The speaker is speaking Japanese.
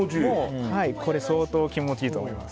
これ相当気持ちいいと思います。